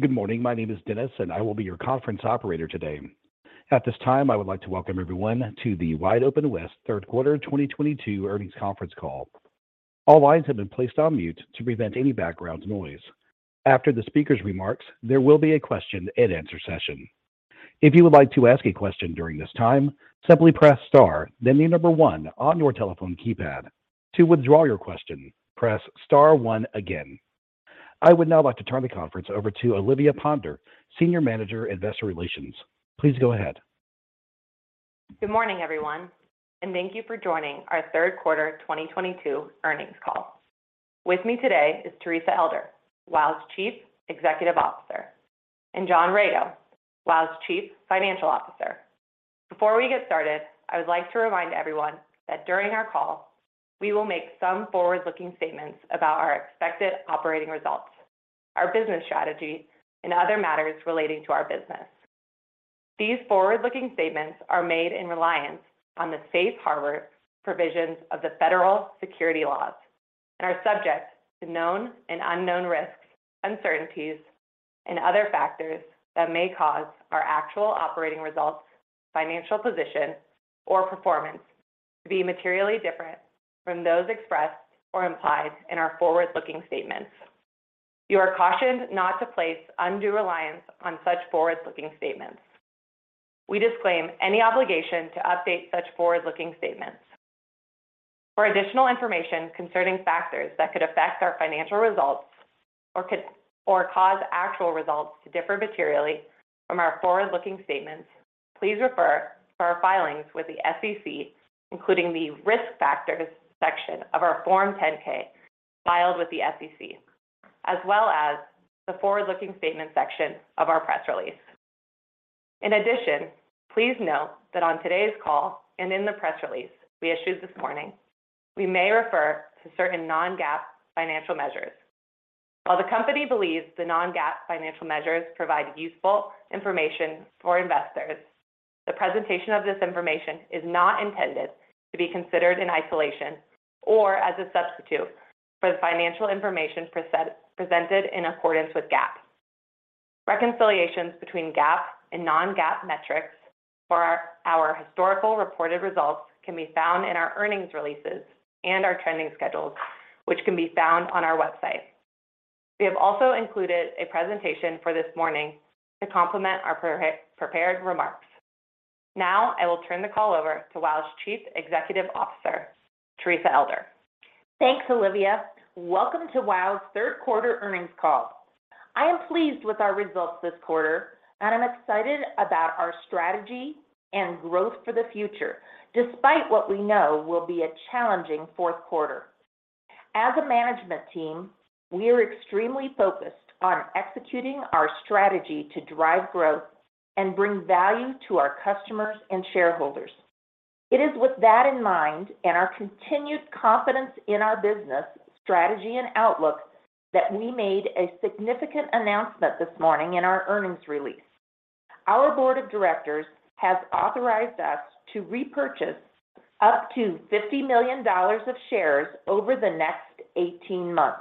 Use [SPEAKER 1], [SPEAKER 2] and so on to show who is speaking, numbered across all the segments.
[SPEAKER 1] Good morning. My name is Dennis, and I will be your conference operator today. At this time, I would like to welcome everyone to The WideOpenWest Third Quarter 2022 Earnings Conference Call. All lines have been placed on mute to prevent any background noise. After the speaker's remarks, there will be a question-and-answer session. If you would like to ask a question during this time, simply press star, then the number 1 on your telephone keypad. To withdraw your question, press star 1 again. I would now like to turn the conference over to Olivia Ponder, Senior Manager, Investor Relations. Please go ahead.
[SPEAKER 2] Good morning, everyone, and thank you for joining our third quarter 2022 earnings call. With me today is Teresa Elder, WOW!'s Chief Executive Officer, and John Rego, WOW!'s Chief Financial Officer. Before we get started, I would like to remind everyone that during our call we will make some forward-looking statements about our expected operating results, our business strategy, and other matters relating to our business. These forward-looking statements are made in reliance on the Safe Harbor provisions of the Federal Securities Laws and are subject to known and unknown risks, uncertainties, and other factors that may cause our actual operating results, financial position, or performance to be materially different from those expressed or implied in our forward-looking statements. You are cautioned not to place undue reliance on such forward-looking statements. We disclaim any obligation to update such forward-looking statements. For additional information concerning factors that could affect our financial results or could cause actual results to differ materially from our forward-looking statements, please refer to our filings with the SEC, including the Risk Factors section of our Form 10-K filed with the SEC, as well as the Forward-Looking Statements section of our press release. In addition, please note that on today's call and in the press release we issued this morning, we may refer to certain non-GAAP financial measures. While the company believes the non-GAAP financial measures provide useful information for investors, the presentation of this information is not intended to be considered in isolation or as a substitute for the financial information presented in accordance with GAAP. Reconciliations between GAAP and non-GAAP metrics for our historical reported results can be found in our earnings releases and our trending schedules, which can be found on our website. We have also included a presentation for this morning to complement our prepared remarks. Now I will turn the call over to WOW!'s Chief Executive Officer, Teresa Elder.
[SPEAKER 3] Thanks, Olivia. Welcome to WOW's third quarter earnings call. I am pleased with our results this quarter, and I'm excited about our strategy and growth for the future, despite what we know will be a challenging fourth quarter. As a management team, we are extremely focused on executing our strategy to drive growth and bring value to our customers and shareholders. It is with that in mind and our continued confidence in our business strategy and outlook that we made a significant announcement this morning in our earnings release. Our board of directors has authorized us to repurchase up to $50 million of shares over the next 18 months.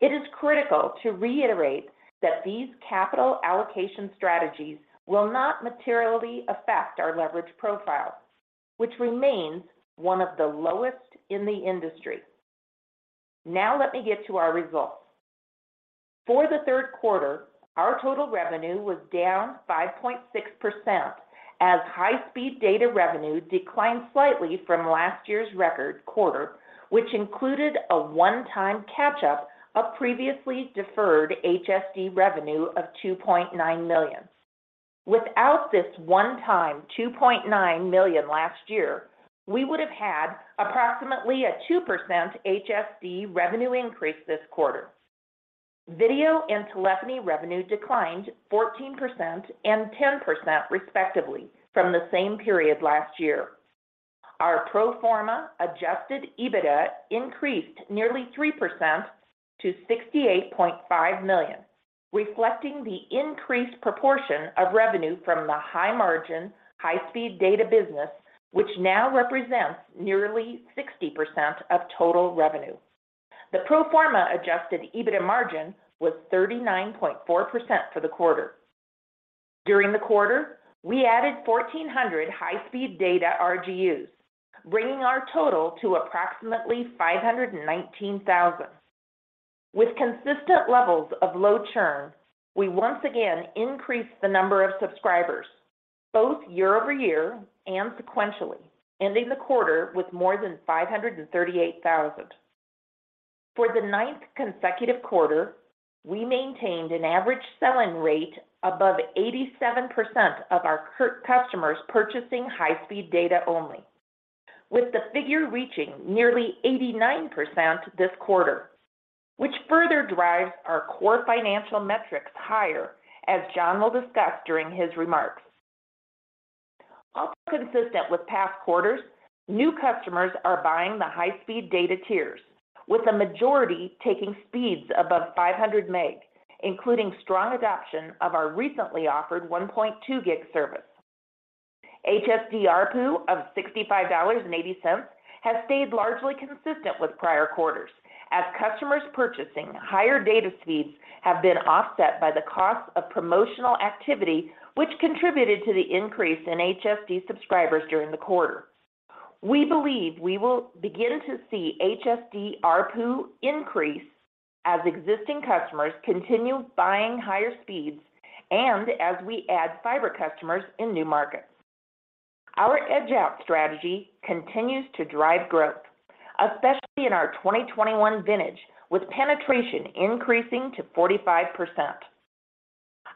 [SPEAKER 3] It is critical to reiterate that these capital allocation strategies will not materially affect our leverage profile, which remains one of the lowest in the industry. Now let me get to our results. For the third quarter, our total revenue was down 5.6% as high-speed data revenue declined slightly from last year's record quarter, which included a one-time catch-up of previously deferred HSD revenue of $2.9 million. Without this one-time $2.9 million last year, we would have had approximately a 2% HSD revenue increase this quarter. Video and telephony revenue declined 14% and 10% respectively from the same period last year. Our pro forma adjusted EBITDA increased nearly 3% to $68.5 million, reflecting the increased proportion of revenue from the high-margin, high-speed data business, which now represents nearly 60% of total revenue. The pro forma adjusted EBITDA margin was 39.4% for the quarter. During the quarter, we added 1,400 high-speed data RGUs, bringing our total to approximately 519,000. With consistent levels of low churn, we once again increased the number of subscribers, both year-over-year and sequentially, ending the quarter with more than 538,000. For the ninth consecutive quarter, we maintained an average sell-in rate above 87% of our customers purchasing high-speed data only, with the figure reaching nearly 89% this quarter, which further drives our core financial metrics higher, as John will discuss during his remarks. Also consistent with past quarters, new customers are buying the high-speed data tiers, with a majority taking speeds above 500 meg, including strong adoption of our recently offered 1.2 gig service. HSD ARPU of $65.80 has stayed largely consistent with prior quarters as customers purchasing higher data speeds have been offset by the cost of promotional activity, which contributed to the increase in HSD subscribers during the quarter. We believe we will begin to see HSD ARPU increase as existing customers continue buying higher speeds and as we add fiber customers in new markets. Our edge out strategy continues to drive growth, especially in our 2021 vintage, with penetration increasing to 45%.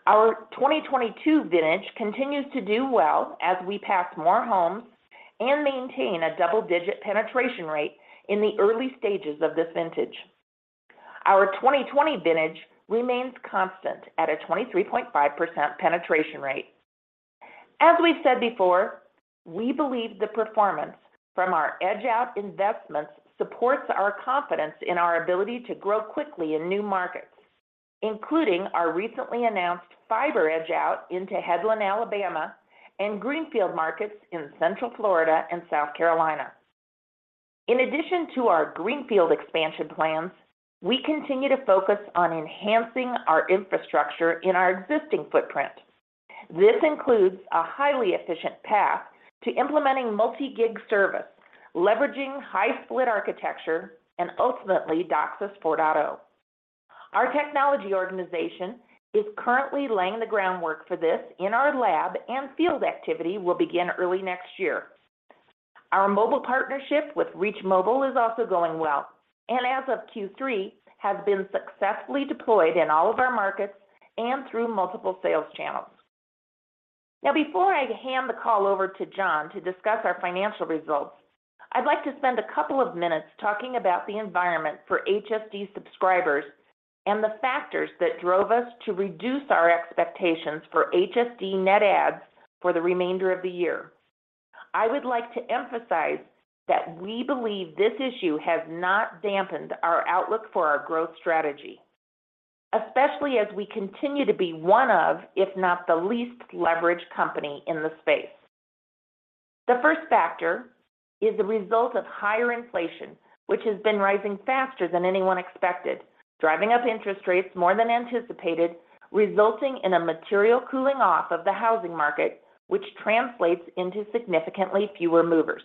[SPEAKER 3] Our 2022 vintage continues to do well as we pass more homes and maintain a double-digit penetration rate in the early stages of this vintage. Our 2020 vintage remains constant at a 23.5% penetration rate. As we've said before, we believe the performance from our edge out investments supports our confidence in our ability to grow quickly in new markets, including our recently announced fiber edge out into Headland, Alabama, and Greenfield markets in central Florida and South Carolina. In addition to our Greenfield expansion plans, we continue to focus on enhancing our infrastructure in our existing footprint. This includes a highly efficient path to implementing multi-gig service, leveraging high-split architecture, and ultimately DOCSIS 4.0. Our technology organization is currently laying the groundwork for this in our lab, and field activity will begin early next year. Our mobile partnership with Reach Mobile is also going well, and as of Q3, has been successfully deployed in all of our markets and through multiple sales channels. Now, before I hand the call over to John to discuss our financial results, I'd like to spend a couple of minutes talking about the environment for HSD subscribers and the factors that drove us to reduce our expectations for HSD net adds for the remainder of the year. I would like to emphasize that we believe this issue has not dampened our outlook for our growth strategy, especially as we continue to be one of, if not the least leveraged company in the space. The first factor is the result of higher inflation, which has been rising faster than anyone expected, driving up interest rates more than anticipated, resulting in a material cooling off of the housing market, which translates into significantly fewer movers.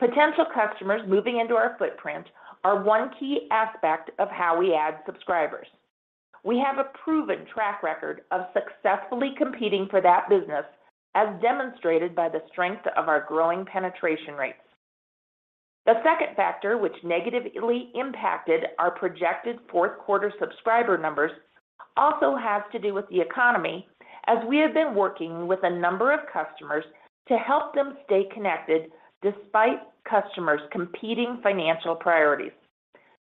[SPEAKER 3] Potential customers moving into our footprint are one key aspect of how we add subscribers. We have a proven track record of successfully competing for that business, as demonstrated by the strength of our growing penetration rates. The second factor which negatively impacted our projected fourth quarter subscriber numbers also has to do with the economy, as we have been working with a number of customers to help them stay connected despite customers' competing financial priorities.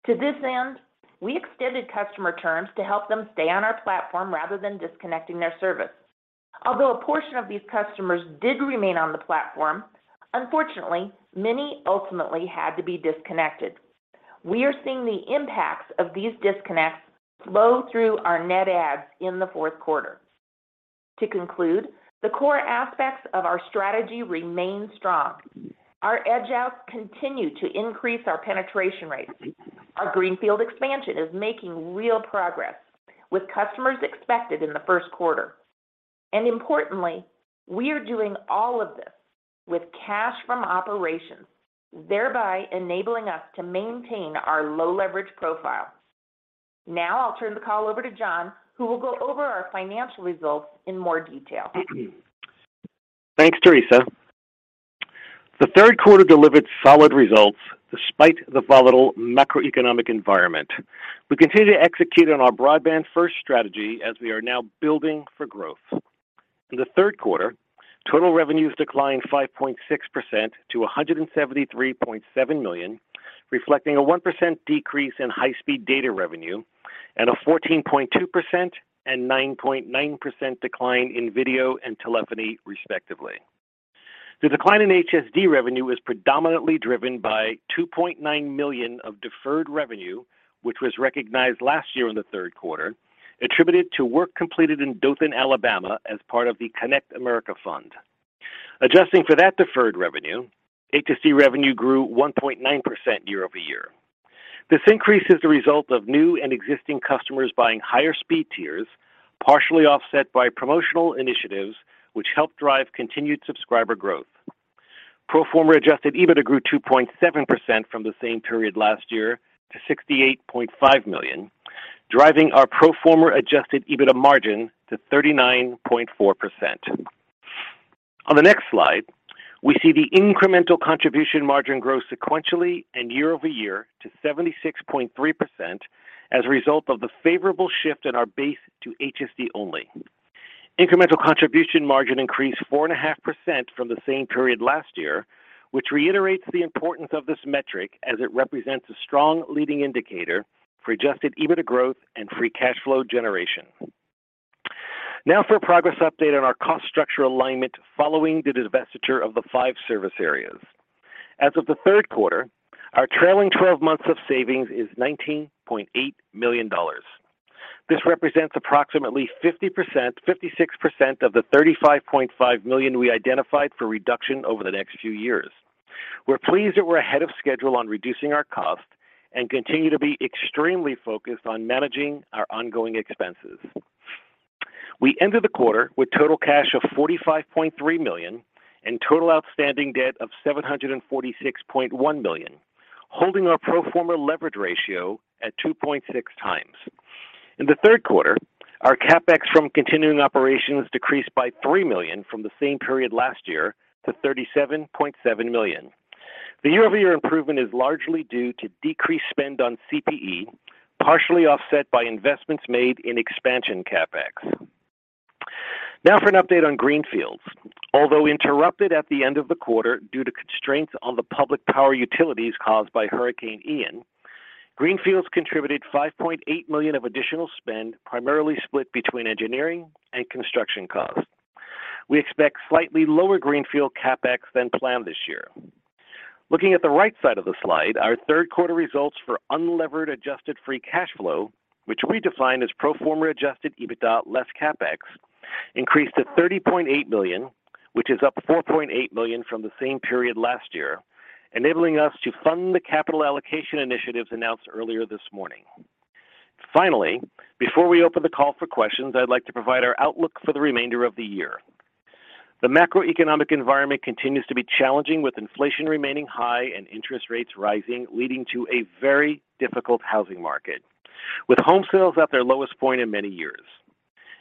[SPEAKER 3] To this end, we extended customer terms to help them stay on our platform rather than disconnecting their service. Although a portion of these customers did remain on the platform, unfortunately, many ultimately had to be disconnected. We are seeing the impacts of these disconnects flow through our net adds in the fourth quarter. To conclude, the core aspects of our strategy remain strong. Our edge outs continue to increase our penetration rates. Our Greenfield expansion is making real progress with customers expected in the first quarter. Importantly, we are doing all of this with cash from operations, thereby enabling us to maintain our low leverage profile. Now I'll turn the call over to John Rego, who will go over our financial results in more detail.
[SPEAKER 4] Thanks, Teresa. The third quarter delivered solid results despite the volatile macroeconomic environment. We continue to execute on our broadband first strategy as we are now building for growth. In the third quarter, total revenues declined 5.6% to $173.7 million, reflecting a 1% decrease in high-speed data revenue and a 14.2% and 9.9% decline in video and telephony, respectively. The decline in HSD revenue was predominantly driven by $2.9 million of deferred revenue, which was recognized last year in the third quarter, attributed to work completed in Dothan, Alabama, as part of the Connect America Fund. Adjusting for that deferred revenue, HSD revenue grew 1.9% year-over-year. This increase is the result of new and existing customers buying higher speed tiers, partially offset by promotional initiatives which help drive continued subscriber growth. Pro forma adjusted EBITDA grew 2.7% from the same period last year to $68.5 million, driving our pro forma adjusted EBITDA margin to 39.4%. On the next slide, we see the incremental contribution margin grow sequentially and year-over-year to 76.3% as a result of the favorable shift in our base to HSD only. Incremental contribution margin increased 4.5% from the same period last year, which reiterates the importance of this metric as it represents a strong leading indicator for adjusted EBITDA growth and free cash flow generation. Now for a progress update on our cost structure alignment following the divestiture of the five service areas. As of the third quarter, our trailing twelve months of savings is $19.8 million. This represents approximately 50%, 56% of the $35.5 million we identified for reduction over the next few years. We're pleased that we're ahead of schedule on reducing our costs and continue to be extremely focused on managing our ongoing expenses. We ended the quarter with total cash of $45.3 million and total outstanding debt of $746.1 million, holding our pro forma leverage ratio at 2.6x. In the third quarter, our CapEx from continuing operations decreased by $3 million from the same period last year to $37.7 million. The year-over-year improvement is largely due to decreased spend on CPE, partially offset by investments made in expansion CapEx. Now for an update on Greenfields. Although interrupted at the end of the quarter due to constraints on the public power utilities caused by Hurricane Ian, Greenfields contributed $5.8 million of additional spend, primarily split between engineering and construction costs. We expect slightly lower Greenfield CapEx than planned this year. Looking at the right side of the slide, our third quarter results for unlevered adjusted free cash flow, which we define as pro forma adjusted EBITDA less CapEx, increased to $30.8 million, which is up $4.8 million from the same period last year, enabling us to fund the capital allocation initiatives announced earlier this morning. Finally, before we open the call for questions, I'd like to provide our outlook for the remainder of the year. The macroeconomic environment continues to be challenging, with inflation remaining high and interest rates rising, leading to a very difficult housing market, with home sales at their lowest point in many years.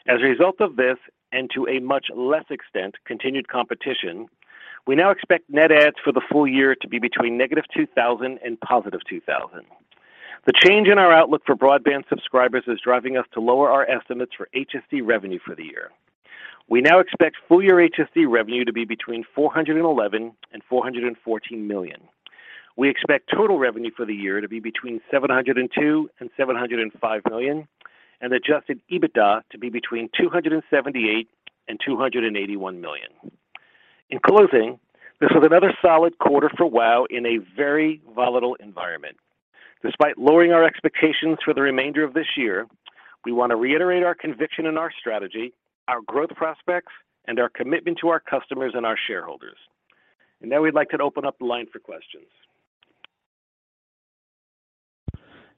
[SPEAKER 4] As a result of this, and to a much less extent, continued competition, we now expect net adds for the full year to be between -2,000 and +2,000. The change in our outlook for broadband subscribers is driving us to lower our estimates for HSD revenue for the year. We now expect full year HSD revenue to be between $411 million and $414 million. We expect total revenue for the year to be between $702 million and $705 million, and adjusted EBITDA to be between $278 million and $281 million. In closing, this was another solid quarter for WOW!. in a very volatile environment. Despite lowering our expectations for the remainder of this year, we want to reiterate our conviction in our strategy, our growth prospects, and our commitment to our customers and our shareholders. Now we'd like to open up the line for questions.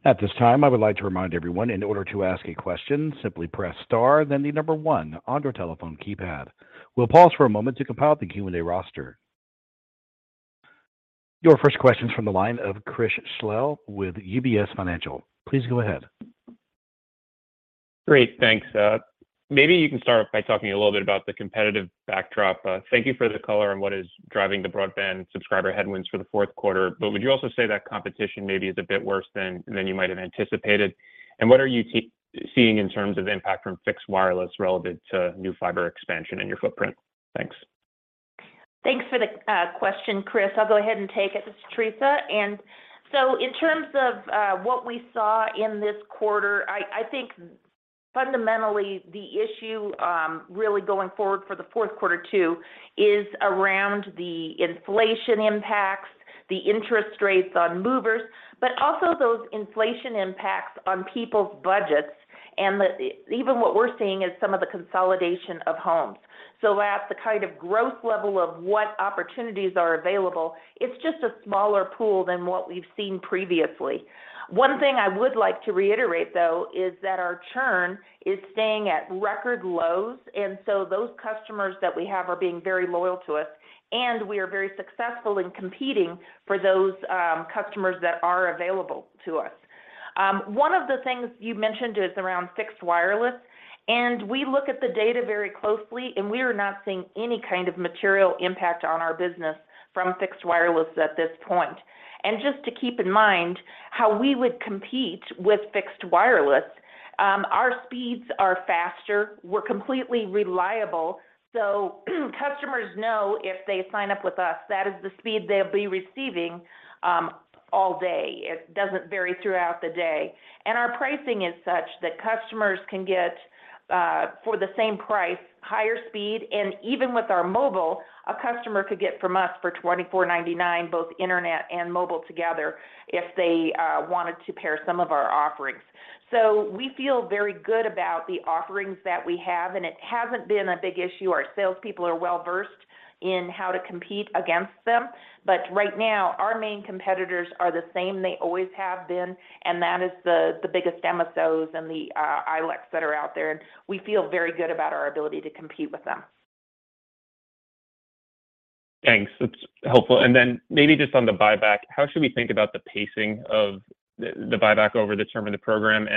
[SPEAKER 1] At this time, I would like to remind everyone, in order to ask a question, simply press star then the number one on your telephone keypad. We'll pause for a moment to compile the Q&A roster. Your first question is from the line of Batya Levi with UBS. Please go ahead.
[SPEAKER 5] Great. Thanks. Maybe you can start by talking a little bit about the competitive backdrop. Thank you for the color on what is driving the broadband subscriber headwinds for the fourth quarter. Would you also say that competition maybe is a bit worse than you might have anticipated? What are you seeing in terms of impact from fixed wireless relevant to new fiber expansion in your footprint? Thanks.
[SPEAKER 3] Thanks for the question, Frank. I'll go ahead and take it. This is Teresa. In terms of what we saw in this quarter, I think fundamentally the issue really going forward for the fourth quarter too is around the inflation impacts, the interest rates on movers, but also those inflation impacts on people's budgets and even what we're seeing is some of the consolidation of homes. At the kind of growth level of what opportunities are available, it's just a smaller pool than what we've seen previously. One thing I would like to reiterate, though, is that our churn is staying at record lows, and those customers that we have are being very loyal to us, and we are very successful in competing for those customers that are available to us. One of the things you mentioned is around fixed wireless, and we look at the data very closely, and we are not seeing any kind of material impact on our business from fixed wireless at this point. Just to keep in mind how we would compete with fixed wireless, our speeds are faster. We're completely reliable, so customers know if they sign up with us, that is the speed they'll be receiving, all day. It doesn't vary throughout the day. Our pricing is such that customers can get, for the same price, higher speed. Even with our mobile, a customer could get from us for $24.99, both internet and mobile together if they wanted to pair some of our offerings. We feel very good about the offerings that we have, and it hasn't been a big issue. Our salespeople are well-versed in how to compete against them. Right now, our main competitors are the same they always have been, and that is the biggest MSOs and the ILECs that are out there. We feel very good about our ability to compete with them.
[SPEAKER 6] Thanks. That's helpful. Maybe just on the buyback, how should we think about the pacing of the buyback over the term of the program?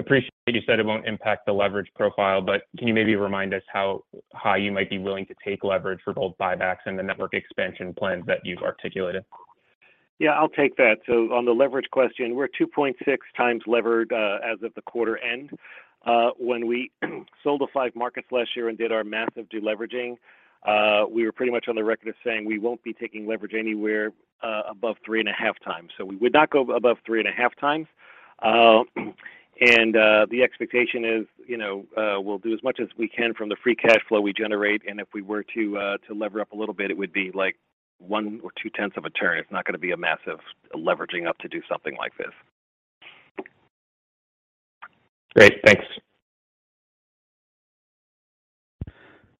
[SPEAKER 6] Appreciate you said it won't impact the leverage profile, but can you maybe remind us how high you might be willing to take leverage for both buybacks and the network expansion plans that you've articulated?
[SPEAKER 4] Yeah, I'll take that. On the leverage question, we're 2.6 times levered as of the quarter end. When we sold the five markets last year and did our massive deleveraging, we were pretty much on the record of saying we won't be taking leverage anywhere above 3.5 times. We would not go above 3.5 times. The expectation is, you know, we'll do as much as we can from the free cash flow we generate, and if we were to lever up a little bit, it would be like one or two tenths of a turn. It's not going to be a massive leveraging up to do something like this.
[SPEAKER 6] Great. Thanks.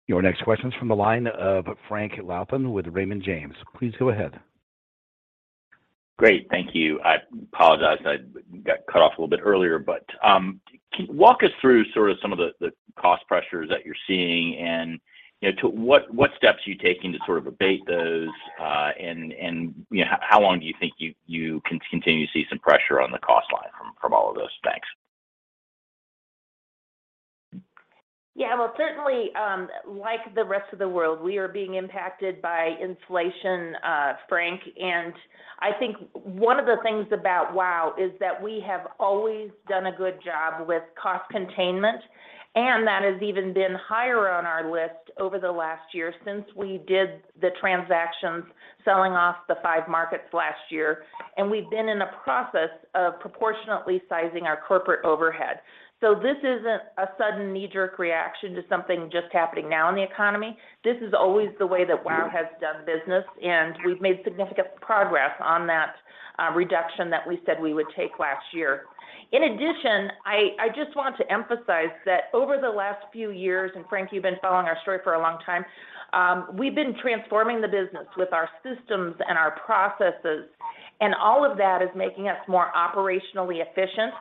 [SPEAKER 1] Your next question's from the line of Frank Louthan with Raymond James. Please go ahead.
[SPEAKER 6] Great. Thank you. I apologize, I got cut off a little bit earlier. Walk us through sort of some of the cost pressures that you're seeing and, you know, to what steps are you taking to sort of abate those, and, you know, how long do you think you can continue to see some pressure on the cost line from all of those? Thanks.
[SPEAKER 3] Yeah. Well, certainly, like the rest of the world, we are being impacted by inflation, Frank. I think one of the things about WOW! is that we have always done a good job with cost containment, and that has even been higher on our list over the last year since we did the transactions selling off the five markets last year. We've been in a process of proportionately sizing our corporate overhead. This isn't a sudden knee-jerk reaction to something just happening now in the economy. This is always the way that WOW! has done business, and we've made significant progress on that, reduction that we said we would take last year. In addition, I just want to emphasize that over the last few years, and Frank, you've been following our story for a long time, we've been transforming the business with our systems and our processes, and all of that is making us more operationally efficient.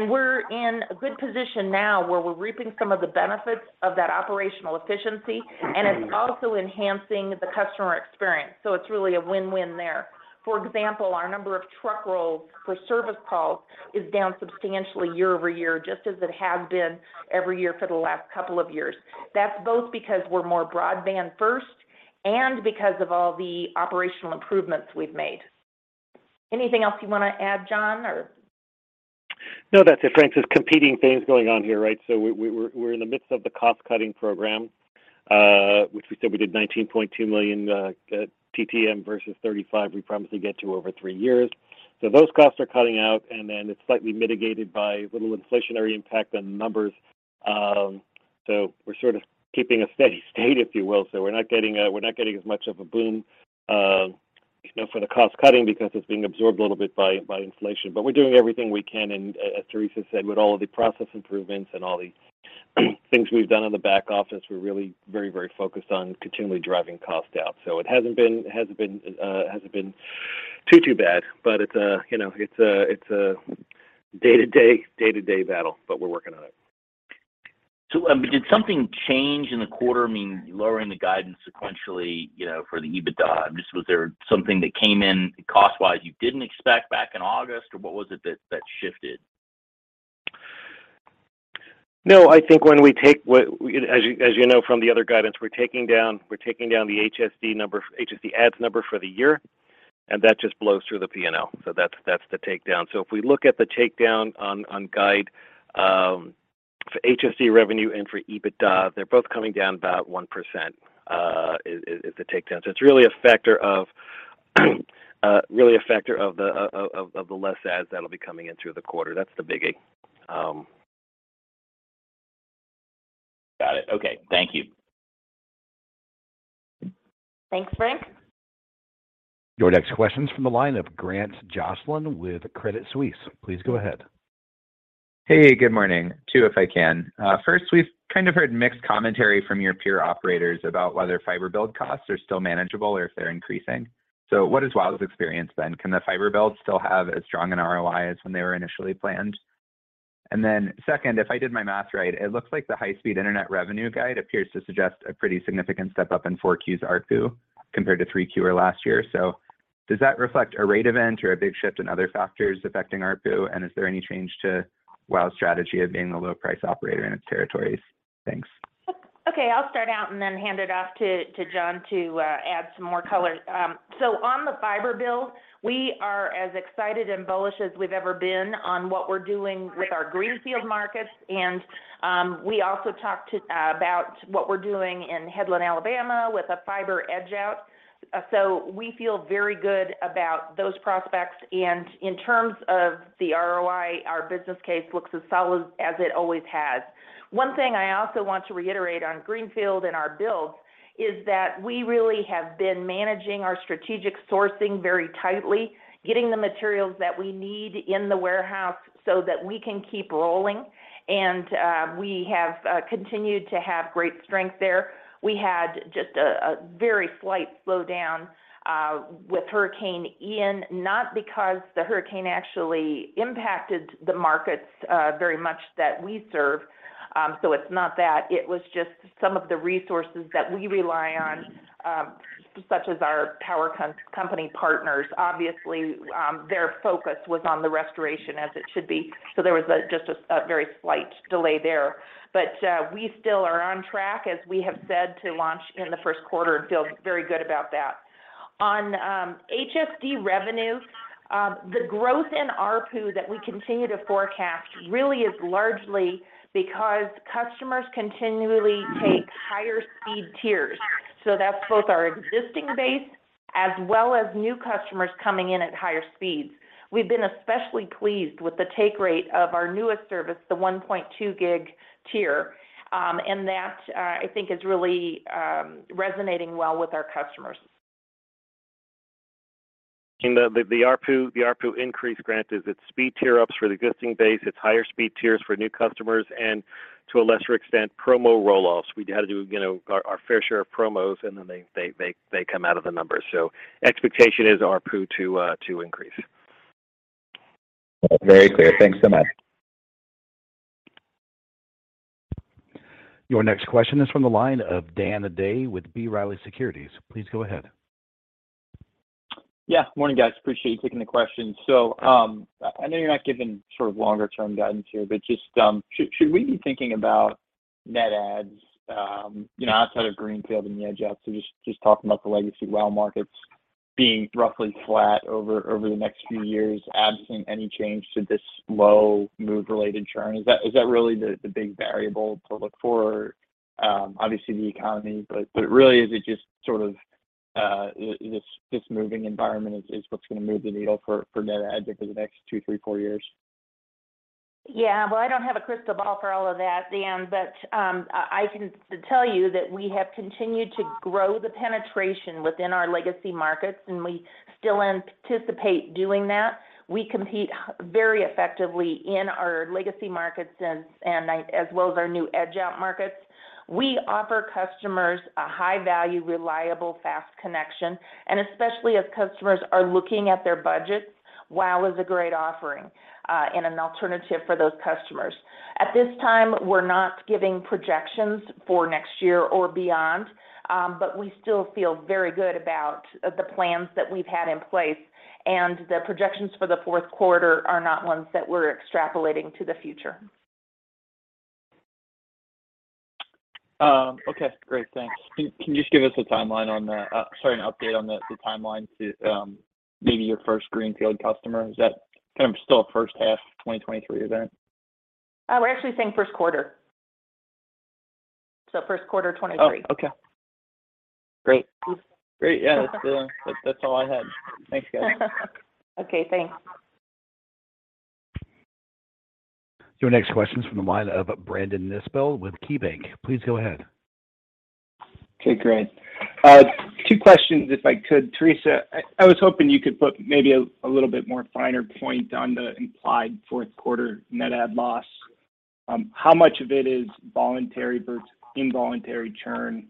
[SPEAKER 3] We're in a good position now where we're reaping some of the benefits of that operational efficiency, and it's also enhancing the customer experience. It's really a win-win there. For example, our number of truck rolls for service calls is down substantially year-over-year, just as it has been every year for the last couple of years. That's both because we're more broadband first and because of all the operational improvements we've made. Anything else you want to add, John, or?
[SPEAKER 4] No, that's it, Frank. There's competing things going on here, right? We're in the midst of the cost-cutting program, which we said we did $19.2 million TTM versus $35 million we promised to get to over 3 years. Those costs are cutting out, and then it's slightly mitigated by a little inflationary impact on numbers. We're sort of keeping a steady state, if you will. We're not getting as much of a boom, you know, for the cost-cutting because it's being absorbed a little bit by inflation. We're doing everything we can, and as Teresa said, with all of the process improvements and all the things we've done on the back office, we're really very, very focused on continually driving cost out. It hasn't been too bad. You know, it's a day-to-day battle, but we're working on it.
[SPEAKER 6] Did something change in the quarter? I mean, lowering the guidance sequentially, you know, for the EBITDA, just was there something that came in cost-wise you didn't expect back in August? Or what was it that shifted?
[SPEAKER 4] No. I think when we take as you know from the other guidance, we're taking down the HSD adds number for the year, and that just blows through the P&L. That's the takedown. If we look at the takedown on guidance for HSD revenue and for EBITDA, they're both coming down about 1% is the takedown. It's really a factor of the less adds that'll be coming in through the quarter. That's the biggie.
[SPEAKER 6] Got it. Okay. Thank you.
[SPEAKER 3] Thanks, Frank.
[SPEAKER 1] Your next question's from the line of Grant Joslin with Credit Suisse. Please go ahead.
[SPEAKER 7] Hey, good morning. Two, if I can. First, we've kind of heard mixed commentary from your peer operators about whether fiber build costs are still manageable or if they're increasing. What is WOW!'s experience then? Can the fiber builds still have as strong an ROI as when they were initially planned? Second, if I did my math right, it looks like the high-speed internet revenue guide appears to suggest a pretty significant step-up in 4Q's ARPU compared to 3Q or last year. Does that reflect a rate event or a big shift in other factors affecting ARPU? Is there any change to WOW!'s strategy of being a low price operator in its territories? Thanks.
[SPEAKER 3] Okay, I'll start out and then hand it off to John to add some more color. On the fiber build, we are as excited and bullish as we've ever been on what we're doing with our Greenfield markets, and we also talked about what we're doing in Headland, Alabama with a fiber edge out. We feel very good about those prospects. In terms of the ROI, our business case looks as solid as it always has. One thing I also want to reiterate on Greenfield and our builds is that we really have been managing our strategic sourcing very tightly, getting the materials that we need in the warehouse so that we can keep rolling, and we have continued to have great strength there. We had just a very slight slowdown with Hurricane Ian, not because the hurricane actually impacted the markets very much that we serve. It's not that. It was just some of the resources that we rely on, such as our power company partners. Obviously, their focus was on the restoration, as it should be. There was just a very slight delay there. We still are on track, as we have said, to launch in the first quarter and feel very good about that. On HSD revenue, the growth in ARPU that we continue to forecast really is largely because customers continually take higher speed tiers. That's both our existing base as well as new customers coming in at higher speeds. We've been especially pleased with the take rate of our newest service, the 1.2 gig tier. That, I think, is really resonating well with our customers.
[SPEAKER 4] You know, the ARPU increase, granted it's speed tier ups for the existing base, it's higher speed tiers for new customers, and to a lesser extent, promo roll-offs. We had to do, you know, our fair share of promos, and then they come out of the numbers. Expectation is ARPU to increase.
[SPEAKER 7] Very clear. Thanks so much.
[SPEAKER 1] Your next question is from the line of Dan Day with B. Riley Securities. Please go ahead.
[SPEAKER 8] Yeah. Morning, guys. Appreciate you taking the question. I know you're not giving sort of longer-term guidance here, but just, should we be thinking about net adds, you know, outside of Greenfield and the edge out? Just talking about the legacy WOW! markets being roughly flat over the next few years, absent any change to this slow move-related churn. Is that really the big variable to look for? Obviously the economy, but really is it just sort of, this moving environment is what's gonna move the needle for net adds over the next two, three, four years?
[SPEAKER 3] Yeah. Well, I don't have a crystal ball for all of that, Dan, but I can tell you that we have continued to grow the penetration within our legacy markets, and we still anticipate doing that. We compete very effectively in our legacy markets and as well as our new edge out markets. We offer customers a high value, reliable, fast connection, and especially as customers are looking at their budgets, WOW! is a great offering and an alternative for those customers. At this time, we're not giving projections for next year or beyond, but we still feel very good about the plans that we've had in place, and the projections for the fourth quarter are not ones that we're extrapolating to the future.
[SPEAKER 8] Okay. Great. Thanks. Can you just give us an update on the timeline to maybe your first Greenfield customer? Is that kind of still first half 2023 event?
[SPEAKER 3] We're actually saying first quarter. First quarter 2023.
[SPEAKER 8] Oh, okay. Great. Yeah. That's, that's all I had. Thanks, guys.
[SPEAKER 3] Okay, thanks.
[SPEAKER 1] Your next question is from the line of Brandon Nispel with KeyBank. Please go ahead.
[SPEAKER 9] Okay. Great. Two questions, if I could. Teresa, I was hoping you could put maybe a little bit more finer point on the implied fourth quarter net add loss. How much of it is voluntary versus involuntary churn,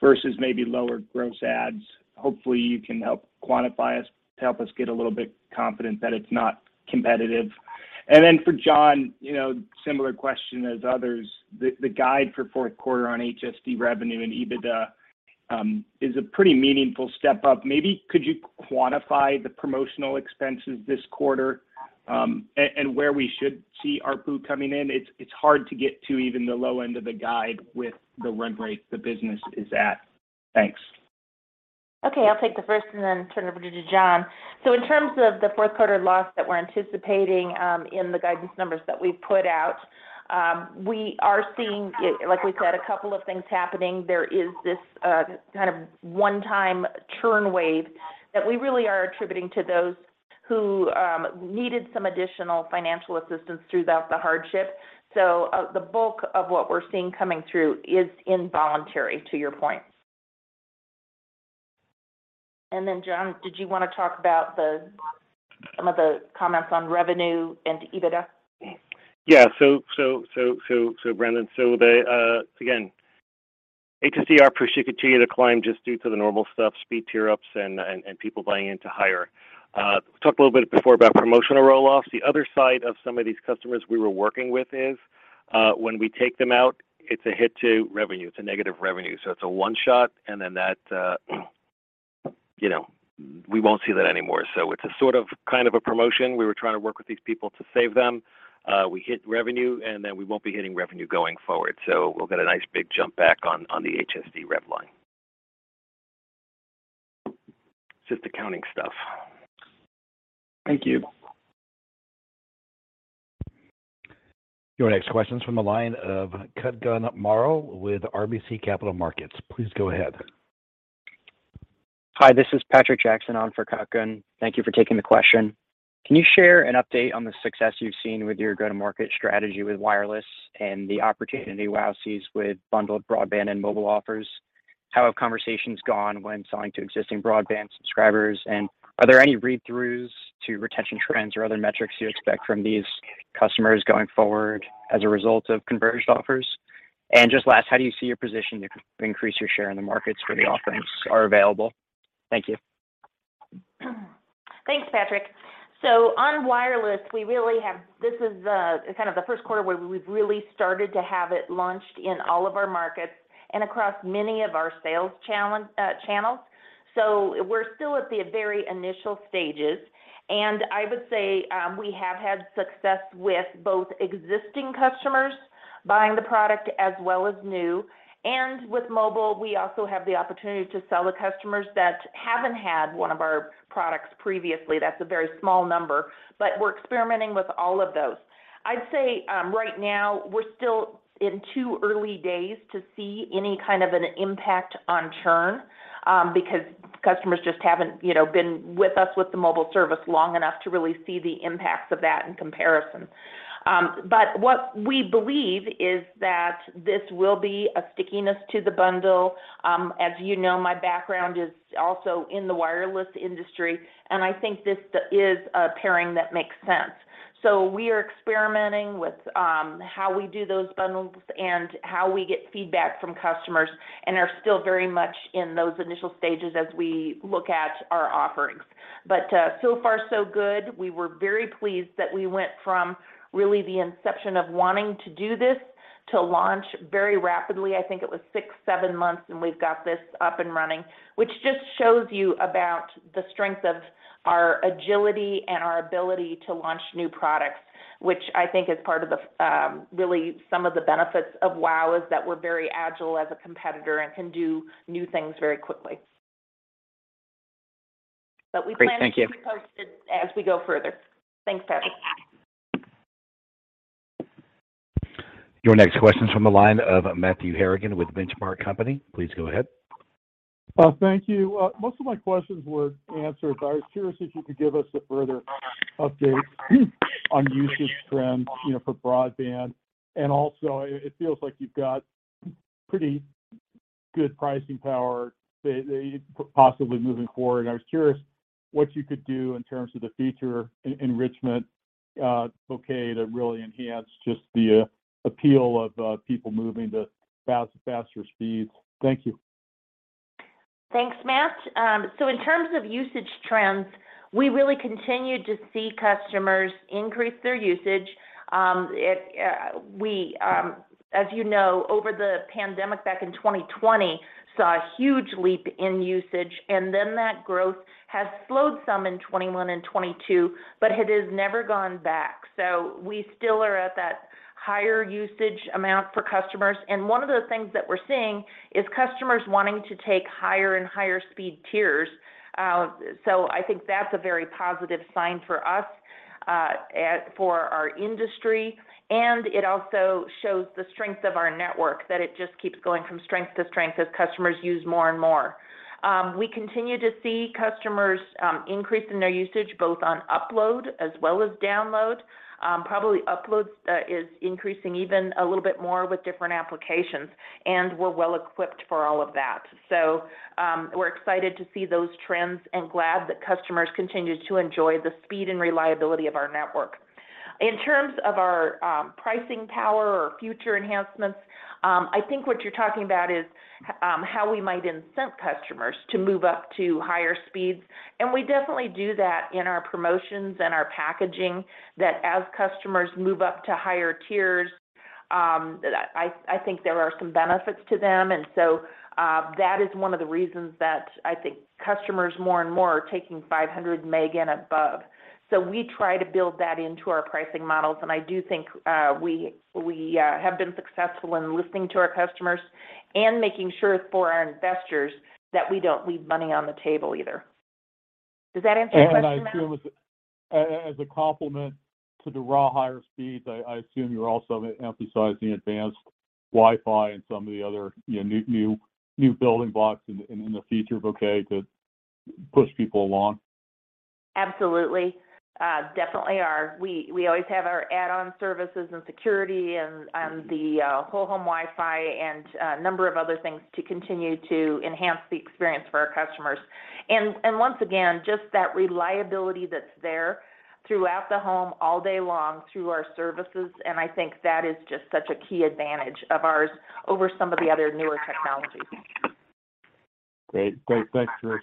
[SPEAKER 9] versus maybe lower gross adds? Hopefully, you can help quantify us to help us get a little bit confident that it's not competitive. Then for John, you know, similar question as others. The guide for fourth quarter on HSD revenue and EBITDA is a pretty meaningful step up. Maybe could you quantify the promotional expenses this quarter, and where we should see ARPU coming in? It's hard to get to even the low end of the guide with the run rate the business is at. Thanks.
[SPEAKER 3] Okay. I'll take the first and then turn it over to John. In terms of the fourth quarter loss that we're anticipating, in the guidance numbers that we've put out, we are seeing, like we said, a couple of things happening. There is this kind of one-time churn wave that we really are attributing to those who needed some additional financial assistance throughout the hardship. The bulk of what we're seeing coming through is involuntary, to your point. Then John, did you want to talk about some of the comments on revenue and EBITDA?
[SPEAKER 4] Yeah. Brandon, again, HSD rev, appreciate the climb just due to the normal stuff, speed tier ups and people buying into higher. Talked a little bit before about promotional roll-offs. The other side of some of these customers we were working with is, when we take them out, it's a hit to revenue. It's a negative revenue. It's a one shot and then that, you know, we won't see that anymore. It's a sort of, kind of a promotion. We were trying to work with these people to save them. We hit revenue, and then we won't be hitting revenue going forward. We'll get a nice big jump back on the HSD rev line. Just accounting stuff.
[SPEAKER 9] Thank you.
[SPEAKER 1] Your next question's from the line of Kutgun Maral with RBC Capital Markets. Please go ahead.
[SPEAKER 10] Hi, this is Patrick Jackson on for Kutgun. Thank you for taking the question. Can you share an update on the success you've seen with your go-to-market strategy with wireless and the opportunity WOW! sees with bundled broadband and mobile offers? How have conversations gone when selling to existing broadband subscribers, and are there any read-throughs to retention trends or other metrics you expect from these customers going forward as a result of converged offers? Just last, how do you see your position to increase your share in the markets where the offerings are available? Thank you.
[SPEAKER 3] Thanks, Patrick. On wireless, we really have this is the kind of the first quarter where we've really started to have it launched in all of our markets and across many of our sales channels. We're still at the very initial stages, and I would say, we have had success with both existing customers buying the product as well as new. With mobile, we also have the opportunity to sell to customers that haven't had one of our products previously. That's a very small number, but we're experimenting with all of those. I'd say, right now we're still in too early days to see any kind of an impact on churn, because customers just haven't, you know, been with us with the mobile service long enough to really see the impacts of that in comparison. What we believe is that this will be a stickiness to the bundle. As you know, my background is also in the wireless industry, and I think this is a pairing that makes sense. We are experimenting with how we do those bundles and how we get feedback from customers, and are still very much in those initial stages as we look at our offerings. So far so good. We were very pleased that we went from really the inception of wanting to do this to launch very rapidly. I think it was 6-7 months, and we've got this up and running, which just shows you about the strength of our agility and our ability to launch new products, which I think is part of the, really some of the benefits of WOW!. That is that we're very agile as a competitor and can do new things very quickly.
[SPEAKER 10] Great. Thank you. We plan to keep you posted as we go further. Thanks, Frank Louthan.
[SPEAKER 1] Your next question's from the line of Matthew Harrigan with The Benchmark Company. Please go ahead.
[SPEAKER 11] Thank you. Most of my questions were answered, but I was curious if you could give us a further update on usage trends, you know, for broadband. Also, it feels like you've got pretty good pricing power that you possibly moving forward. I was curious what you could do in terms of the feature enrichment bouquet to really enhance just the appeal of people moving to faster speeds. Thank you.
[SPEAKER 3] Thanks, Matt. In terms of usage trends, we really continue to see customers increase their usage. As you know, over the pandemic back in 2020 saw a huge leap in usage, and then that growth has slowed some in 2021 and 2022, but it has never gone back. We still are at that higher usage amount for customers. One of the things that we're seeing is customers wanting to take higher and higher speed tiers. I think that's a very positive sign for us, for our industry, and it also shows the strength of our network, that it just keeps going from strength to strength as customers use more and more. We continue to see customers increasing their usage, both on upload as well as download. Probably uploads is increasing even a little bit more with different applications, and we're well-equipped for all of that. We're excited to see those trends and glad that customers continue to enjoy the speed and reliability of our network. In terms of our pricing power or future enhancements, I think what you're talking about is how we might incent customers to move up to higher speeds, and we definitely do that in our promotions and our packaging, that as customers move up to higher tiers, I think there are some benefits to them. That is one of the reasons that I think customers more and more are taking 500 meg and above. We try to build that into our pricing models, and I do think we have been successful in listening to our customers and making sure for our investors that we don't leave money on the table either. Does that answer your question, Matt?
[SPEAKER 11] I assume as a complement to the raw higher speeds, I assume you're also gonna emphasize the advanced Wi-Fi and some of the other, you know, new building blocks in the feature bouquet to push people along.
[SPEAKER 3] Absolutely. Definitely are. We always have our add-on services and security and the whole home Wi-Fi and number of other things to continue to enhance the experience for our customers. Once again, just that reliability that's there throughout the home all day long through our services, and I think that is just such a key advantage of ours over some of the other newer technologies.
[SPEAKER 11] Great. Thanks, Teresa.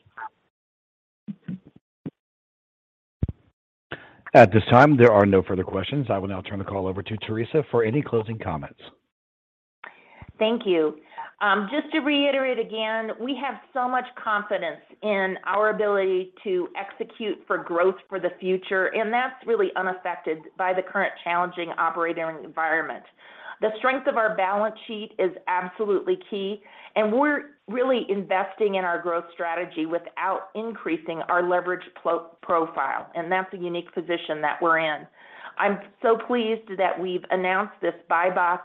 [SPEAKER 1] At this time, there are no further questions. I will now turn the call over to Teresa for any closing comments.
[SPEAKER 3] Thank you. Just to reiterate again, we have so much confidence in our ability to execute for growth for the future, and that's really unaffected by the current challenging operating environment. The strength of our balance sheet is absolutely key, and we're really investing in our growth strategy without increasing our leverage pro-profile, and that's a unique position that we're in. I'm so pleased that we've announced this buyback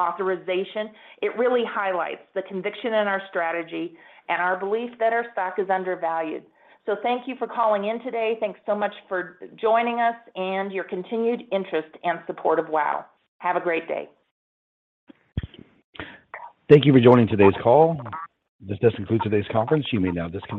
[SPEAKER 3] authorization. It really highlights the conviction in our strategy and our belief that our stock is undervalued. Thank you for calling in today. Thanks so much for joining us and your continued interest and support of WOW!. Have a great day.
[SPEAKER 1] Thank you for joining today's call. This does conclude today's conference. You may now disconnect.